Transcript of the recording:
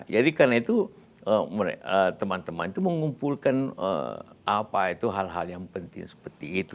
jadi karena itu teman teman itu mengumpulkan hal hal yang penting seperti itu